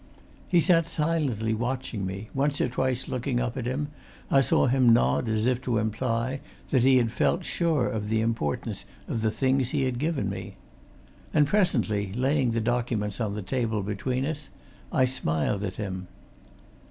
He sat silently watching me; once or twice, looking up at him, I saw him nod as if to imply that he had felt sure of the importance of the things he had given me. And presently, laying the documents on the table between us, I smiled at him.